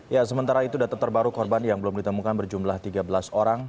ya sementara itu data terbaru korban yang belum ditemukan berjumlah tiga belas orang